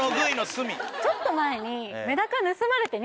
ちょっと前に。